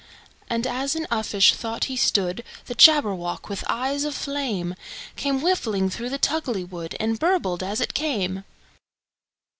And as in uffish thought he stood, The Jabberwock, with eyes of flame, Came whiffling through the tulgey wood, And burbled as it came!